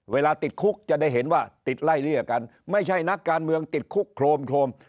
เวลาติดคุกจะได้เห็นว่าติดไล่เลี่ยกันไม่ใช่นักการเมืองติดคุกโครมโครม